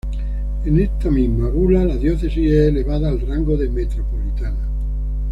En esta misma bula la diócesis es elevada al rango de metropolitana.